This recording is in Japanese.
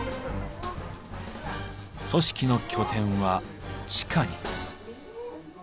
組織の拠点は地下に。